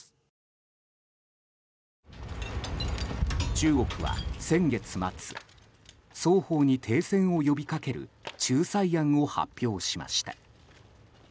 中国は先月末双方に停戦を呼びかける仲裁案を発表しました。